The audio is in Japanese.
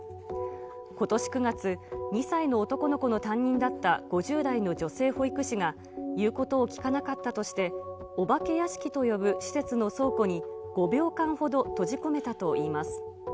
ことし９月、２歳の男の子の担任だった５０代の女性保育士が、言うことを聞かなかったとして、お化け屋敷と呼ぶ施設の倉庫に５秒間ほど閉じ込めたといいます。